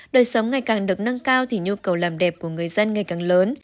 đời sống ngày càng được nâng cao thì nhu cầu làm đẹp của người dân ngày càng lớn